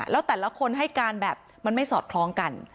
แล้วแต่ละคนให้การแบบมันไม่สอดคล้องกัน